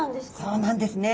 そうなんですね。